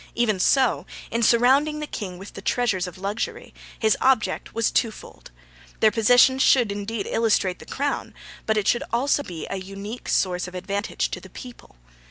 Even so, in surrounding the King with the treasures of luxury, his object was twofold their possession should, indeed, illustrate the Crown, but should also be a unique source of advantage to the people.